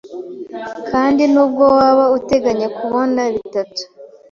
kandi nubwo waba uteganya kubona bitatu